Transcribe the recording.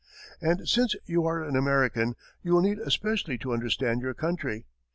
And since you are an American, you will need especially to understand your country.